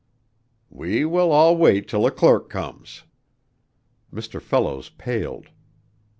"We will all wait till a clerk comes." Mr. Fellows paled.